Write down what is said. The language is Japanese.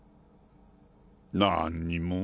何にも。